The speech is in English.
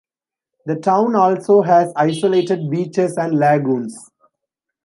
The town also has isolated beaches and lagoons.